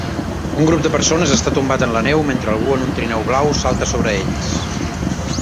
Un grup de persones està tombat en la neu mentre algú en un trineu blau salta sobre ells.